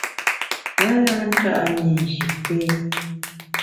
A na nta’ mi Nji té.